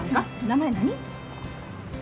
名前何？